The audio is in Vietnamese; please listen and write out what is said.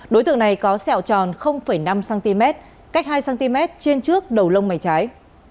đối tượng này có sẹo tròn năm cm cách hai cm trên trước đầu lông mày trái